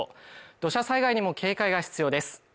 土砂災害にも警戒が必要です